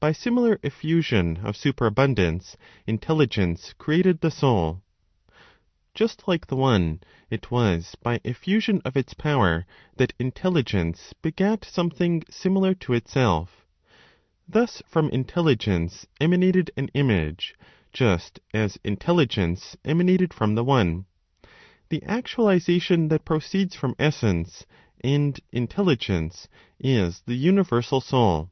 BY SIMILAR EFFUSION OF SUPERABUNDANCE INTELLIGENCE CREATED THE SOUL. Just like the One, it was by effusion of its power that Intelligence begat something similar to itself. Thus from Intelligence emanated an image, just as Intelligence emanated from the One. The actualization that proceeds from Essence (and Intelligence) is the universal Soul.